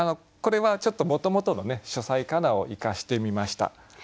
これはちょっともともとの「書斎かな」を生かしてみました。